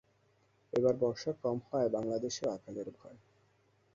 এবার বর্ষা কম হওয়ায় বাঙলাদেশেও আকালের ভয়।